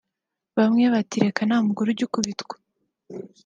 Bamwe bati reka nta mugore ugikubitwa